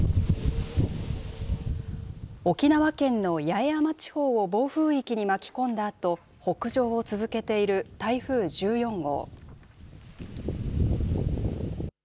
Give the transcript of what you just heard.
沖縄県の八重山地方を暴風域に巻き込んだあと北上を続けている台風１４号。